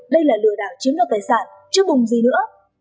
đây là lừa đảo chiếm được tài sản chứ bùng gì nữa